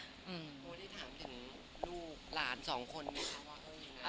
คุณหมอได้ถามถึงลูกหลานสองคนไหมคะ